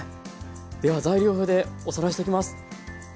では材料表でおさらいしていきます。